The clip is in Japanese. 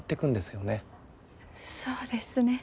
そうですね。